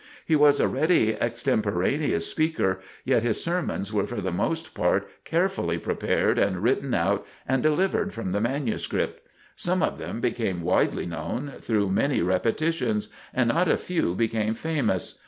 He was a ready extemporaneous speaker, yet his sermons were for the most part carefully prepared and written out and delivered from the manuscript. Some of them became widely known through many repetitions, and not a few became famous.